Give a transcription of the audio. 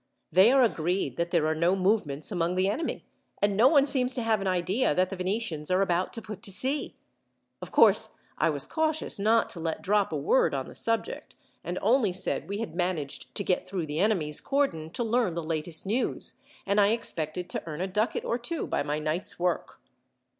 They are agreed that there are no movements among the enemy, and no one seems to have an idea that the Venetians are about to put to sea. Of course, I was cautious not to let drop a word on the subject, and only said we had managed to get through the enemy's cordon to learn the latest news, and I expected to earn a ducat or two by my night's work."